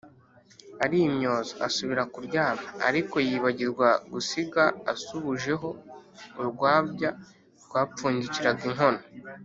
arimyoza asubira kuryama, ariko yibagirwa gusiga asubujeho urwabya rwapfundikiraga inkono.